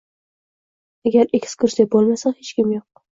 Agar ekskursiya bo‘lmasa, hech kim yo‘q.